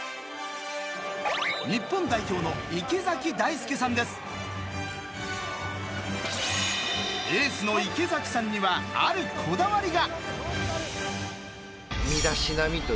日本代表のエースの池崎さんにはあるこだわりが。